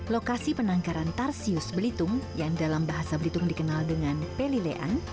lokasi penangkaran tarsius belitung yang dalam bahasa belitung dikenal dengan pelilean